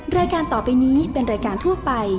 รายการต่อไปนี้เป็นรายการทั่วไป